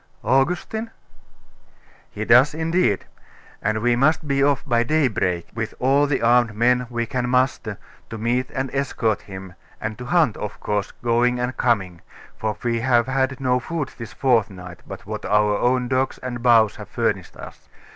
'Augustine?' 'He does indeed; and we must be off by daybreak, with all the armed men we can muster, to meet and escort him, and to hunt, of course, going and coming; for we have had no food this fortnight, but what our own dogs and bows have furnished us.